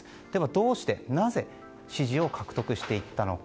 どうして、なぜ支持を獲得していったのか。